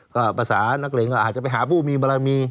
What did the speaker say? ก็ภาษานักเลงก็อาจจะไปหาผู้มีบารมี